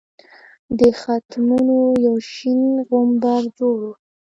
د ختمونو یو شین غومبر جوړ وو.